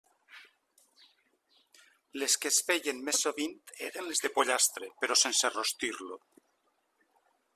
Les que es feien més sovint eren les de pollastre, però sense rostir-lo.